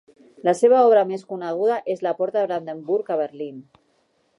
La seva obra més coneguda és la Porta de Brandenburg a Berlín.